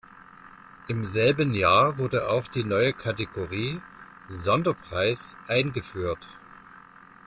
Im selben Jahr wurde auch die neue Kategorie "Sonderpreis" eingeführt.